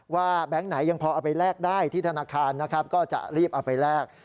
แบงค์ไหนยังพอเอาไปแลกได้ที่ธนาคารนะครับก็จะรีบเอาไปแลก